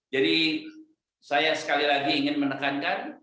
jadi saya sekali lagi ingin menekankan